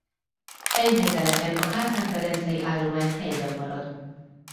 Enyhe teleken a kárpát-medencei állomány helyben marad.